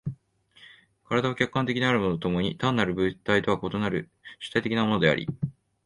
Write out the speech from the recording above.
身体は客観的なものであると共に単なる物体とは異なる主体的なものであり、